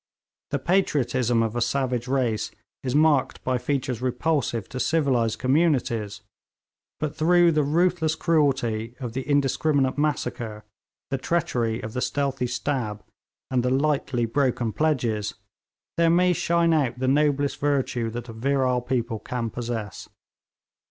The patriotism of a savage race is marked by features repulsive to civilised communities, but through the ruthless cruelty of the indiscriminate massacre, the treachery of the stealthy stab, and the lightly broken pledges, there may shine out the noblest virtue that a virile people can possess.